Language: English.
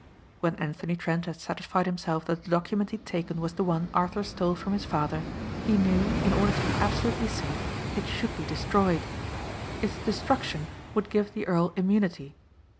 When Anthony Trent had satisfied himself that the document he had taken was the one Arthur stole from his father, he knew, in order to be absolutely safe, it should be destroyed. Its destruction would give the earl immunity.